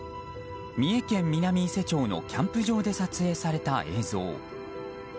三重県南伊勢町のキャンプ場で撮影された映像。